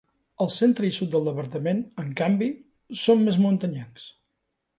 El centre i sud del departament, en canvi, són més muntanyencs.